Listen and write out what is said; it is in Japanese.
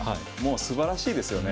すばらしいですよね。